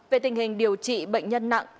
về tình hình điều trị bệnh nhân nặng